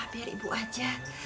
biar ibu aja